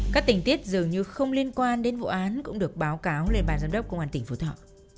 các tình tiết dường như không liên quan đến vụ án cũng được báo cáo lên bàn giám đốc công an tỉnh phú thọ